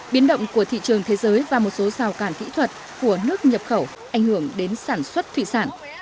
biến động của thị trường thế giới và một số rào càn kỹ thuật của nước nhập khẩu ảnh hưởng đến sản xuất thủy sản